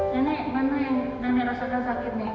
nenek nenek mana yang dan merasa dan sakitnya yang mana yang sakit